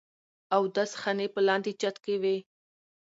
اودس خانې پۀ لاندې چت کښې وې